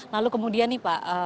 lalu kemudian nih pak